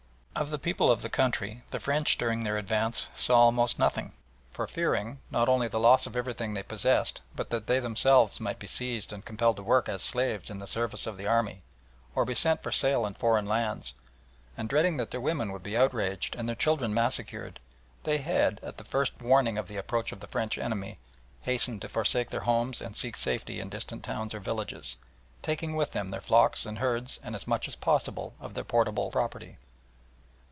Of the people of the country the French during their advance saw almost nothing; for fearing, not only the loss of everything they possessed, but that they themselves might be seized and compelled to work as slaves in the service of the army or be sent for sale in foreign lands, and dreading that their women would be outraged and their children massacred, they had, at the first warning of the approach of the French enemy, hastened to forsake their homes and seek safety in distant towns or villages, taking with them their flocks and herds and as much as possible of their portable property.